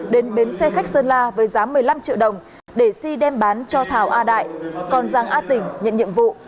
đến bến xe khách sơn la với giá một mươi năm triệu đồng để si đem bán cho thảo a đại còn giang a tỉnh nhận nhiệm vụ